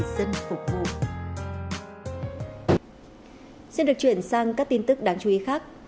xin được chuyển sang các tin tức đáng chú ý khác